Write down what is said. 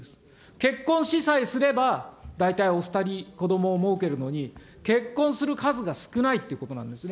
結婚しさえすれば大体お２人、子どもをもうけるのに、結婚する数が少ないということなんですね。